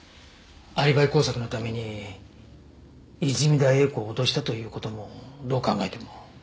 アリバイ工作のために泉田栄子を脅したという事もどう考えても。